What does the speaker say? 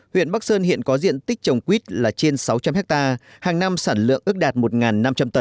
huyện bắc sơn hiện có diện tích trồng quýt là trên sáu trăm linh hectare hàng năm sản lượng ước đạt một năm trăm linh tấn